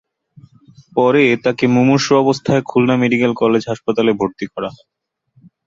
পরে তাঁকে মুমূর্ষু অবস্থায় খুলনা মেডিকেল কলেজ হাসপাতালে ভর্তি করা হয়।